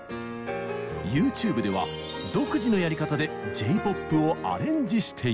ＹｏｕＴｕｂｅでは独自のやり方でＪ−ＰＯＰをアレンジしています。